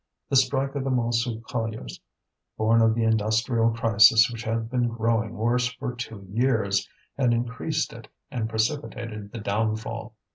The strike of the Montsou colliers, born of the industrial crisis which had been growing worse for two years, had increased it and precipitated the downfall.